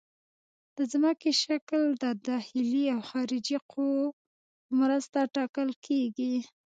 د ځمکې شکل د داخلي او خارجي قوو په مرسته ټاکل کیږي